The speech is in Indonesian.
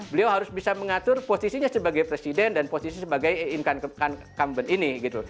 beliau harus bisa mengatur posisinya sebagai presiden dan posisi sebagai incumbent ini